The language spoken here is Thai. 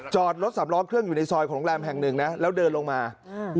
จอดรถสำล้อเครื่องอยู่ในซอยของโรงแรมแห่งหนึ่งนะแล้วเดินลงมาอืม